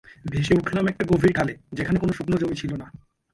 ভেসে উঠলাম একটা গভীর খালে, যেখানে কোন শুকনো জমি ছিল না।